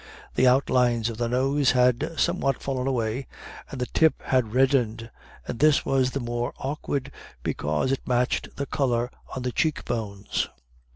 The outlines of the nose had somewhat fallen away, and the tip had reddened, and this was the more awkward because it matched the color on the cheek bones.